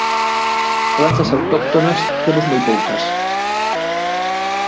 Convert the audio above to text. Plantas autóctonas temos moi poucas.